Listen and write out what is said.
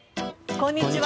こんにちは。